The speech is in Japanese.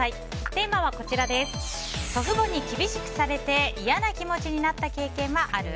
テーマは祖父母に厳しくされて嫌な気持ちになった経験はある？